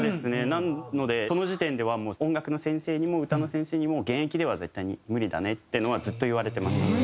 なのでこの時点ではもう音楽の先生にも歌の先生にも現役では絶対に無理だねっていうのはずっと言われてました。